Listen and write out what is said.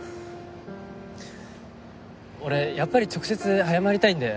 俺やっぱり直接謝りたいんで。